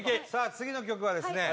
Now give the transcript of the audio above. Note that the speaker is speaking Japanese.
次の曲はですね